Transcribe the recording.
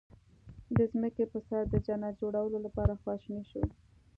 د ځمکې په سر د جنت جوړولو لپاره خواشني شو.